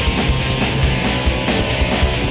eh pakai dulu helmnya dong